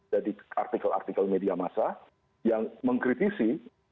jadi artikel artikel media masa yang mengkritisi gimana